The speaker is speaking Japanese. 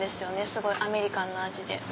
すごいアメリカンな味で。